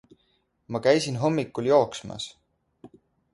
Ma käisin hommikul jooksmas